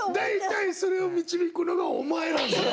大体それを導くのがお前なんだよ。